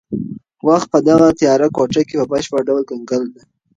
وخت په دغه تیاره کوټه کې په بشپړ ډول کنګل دی.